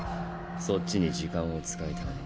そっちに時間を使いたい。